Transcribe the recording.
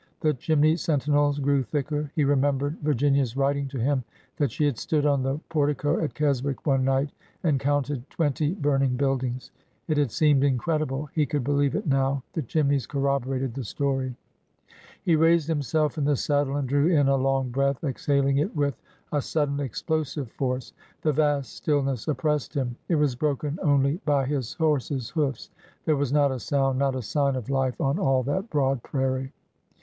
The chimney sentinels grew thicker. He remembered Virginia's writing to him that she had stood on the por tico at Keswick one night and counted twenty burning buildings. It had seemed incredible. He could believe it now. The chimneys corroborated the story. He raised himself in the saddle and drew in a long breath, exhaling it with a sudden, explosive force. The vast stillness oppressed him. It was broken only by his 332 ORDER NO. 11 horse's hoofs. There was not a sound, not a sign of life on all that broad prairie.